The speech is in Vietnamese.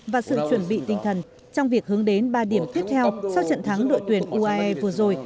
và sự chuẩn bị tinh thần trong việc hướng đến ba điểm tiếp theo sau trận thắng đội tuyển uae vừa rồi